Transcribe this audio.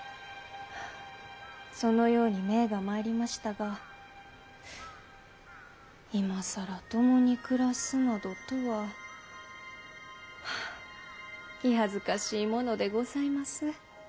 そのように命が参りましたが今更共に暮らすなどとは気恥ずかしいものでございます。